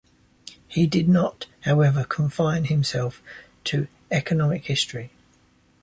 He did not, however, confine himself to economic history.